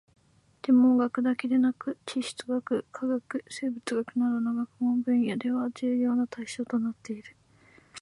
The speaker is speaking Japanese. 天文学だけでなく地質学・化学・生物学などの学問分野では重要な対象となっている